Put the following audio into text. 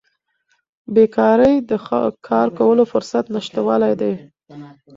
بیکاري د کار کولو فرصت نشتوالی دی.